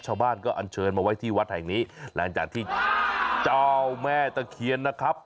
ชาวบ้านก็อันเชิญมาไว้ที่วัดแห่งนี้หลังจากที่เจ้าแม่ตะเคียนนะครับ